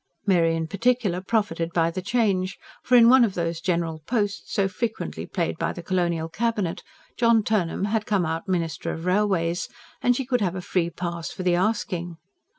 Mary, in particular, profited by the change; for in one of those "general posts" so frequently played by the colonial cabinet, John Turnham had come out Minister of Railways; and she could have a "free pass" for the asking.